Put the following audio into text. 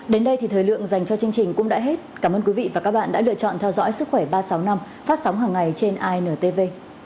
đến đây thì thời lượng dành cho chương trình cũng đã hết cảm ơn quý vị và các bạn đã lựa chọn theo dõi sức khỏe ba trăm sáu mươi năm phát sóng hàng ngày trên intv